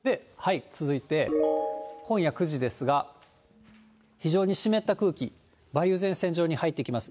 続いて、今夜９時ですが、非常に湿った空気、梅雨前線上に入ってきます。